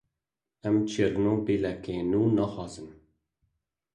Em Çernobîleke nû naxwazin.